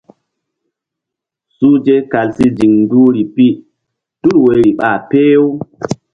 Suhze kal si ziŋ duhri pi tul woyri ɓa peh-u.